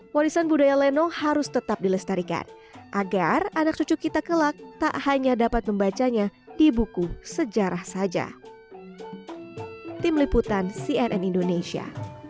warisan budaya lenong harus tetap dilestarikan agar anak cucu kita kelak tak hanya dapat membacanya di buku sejarah saja